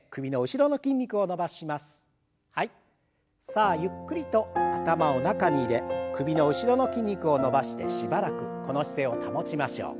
さあゆっくりと頭を中に入れ首の後ろの筋肉を伸ばしてしばらくこの姿勢を保ちましょう。